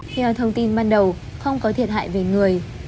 theo thông tin ban đầu không có thiệt hại về người